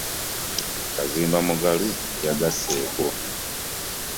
Kaziimba Mugalu bwe yagasseeko.